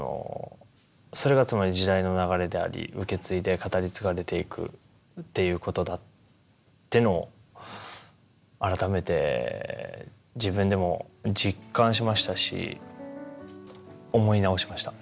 それがつまり時代の流れであり受け継いで語り継がれていくっていうことだっていうのを改めて自分でも実感しましたし思い直しました。